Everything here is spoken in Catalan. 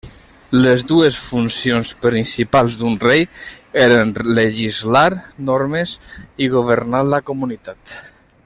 Les dues funcions principals d'un rei eren legislar normes i governar la comunitat.